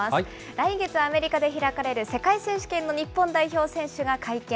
来月、アメリカで開かれる世界選手権の日本代表選手が会見。